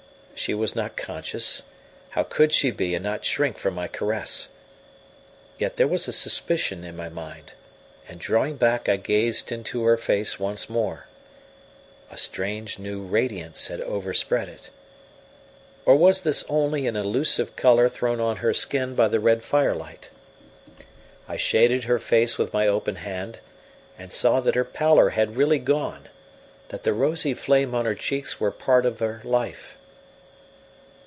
She was not conscious how could she be and not shrink from my caress? Yet there was a suspicion in my mind, and drawing back I gazed into her face once more. A strange new radiance had overspread it. Or was this only an illusive colour thrown on her skin by the red firelight? I shaded her face with my open hand, and saw that her pallor had really gone, that the rosy flame on her cheeks was part of her life.